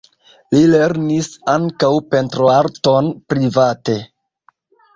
Li lernis ankaŭ pentroarton private.